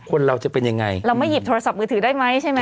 คนเราจะเป็นยังไงเราไม่หยิบโทรศัพท์มือถือได้ไหมใช่ไหม